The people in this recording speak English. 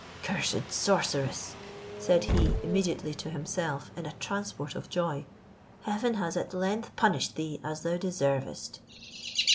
"Cursed sorceress!" said he immediately to himself in a transport of joy, "heaven has at length punished thee as thou deservest."